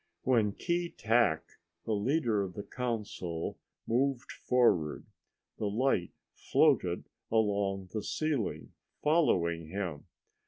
When Keetack, the leader of the council, moved forward, the light floated along the ceiling following him.